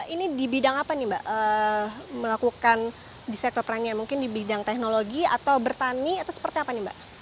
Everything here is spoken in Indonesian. ini di bidang apa nih mbak melakukan di sektor pertanian mungkin di bidang teknologi atau bertani atau seperti apa nih mbak